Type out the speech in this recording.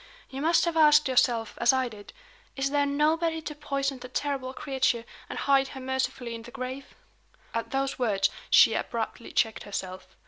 You must have asked yourself, as I did: 'Is there nobody to poison the terrible creature, and hide her mercifully in the grave?'" At those words, she abruptly checked herself.